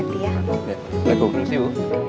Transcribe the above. terima kasih ya